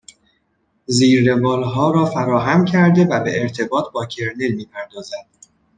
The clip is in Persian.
زیرروالها را فراهم کرده و به ارتباط با کرنل میپردازد